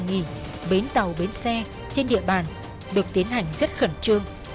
nhà nghỉ bến tàu bến xe trên địa bàn được tiến hành rất khẩn trương